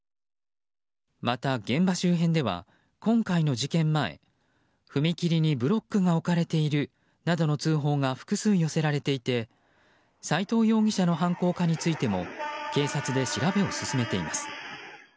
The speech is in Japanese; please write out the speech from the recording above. また現場周辺では今回の事件前踏切にブロックが置かれているなどの通報が複数寄せられていて斉藤容疑者の犯行かについても警察で調べを進めています。